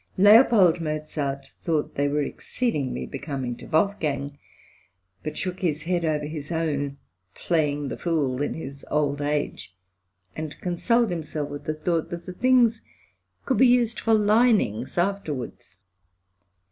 L. Mozart thought they were exceedingly becoming to Wolfgang, but shook his head over his own "playing the fool in his old age," and consoled himself with the thought that the things "could be used for linings afterwards."